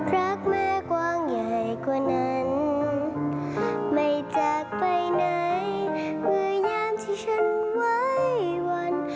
รักแม่กว้างใหญ่กว่านั้นไม่จากไปไหนเมื่อยามที่ฉันไว้วัน